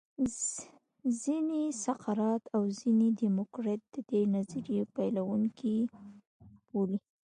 ځینې سقرات او ځینې دیموکریت د دې نظریې پیلوونکي بولي